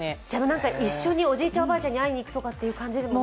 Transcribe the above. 一緒におじいちゃん、おばあちゃんい会いにいくという感じでも？